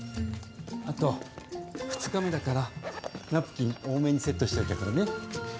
あと、２日目だから、ナプキン多めにセットしといたからね。